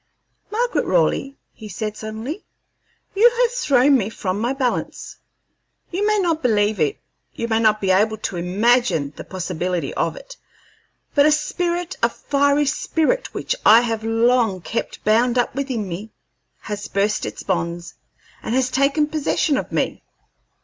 "Margaret Raleigh," he said, suddenly, "you have thrown me from my balance. You may not believe it, you may not be able to imagine the possibility of it, but a spirit, a fiery spirit which I have long kept bound up within me, has burst its bonds and has taken possession of me.